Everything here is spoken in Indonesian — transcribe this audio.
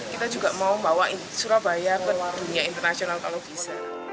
kita juga mau bawa surabaya ke dunia internasional kalau bisa